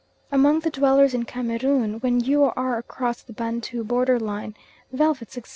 Among the dwellers in Cameroon, when you are across the Bantu border line, velvets, etc.